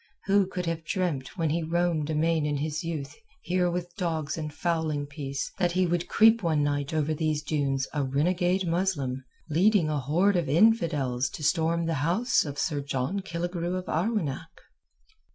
Who could have dreamt when he roamed amain in his youth here with dogs and fowling piece that he would creep one night over these dunes a renegade Muslim leading a horde of infidels to storm the house of Sir John Killigrew of Arwenack?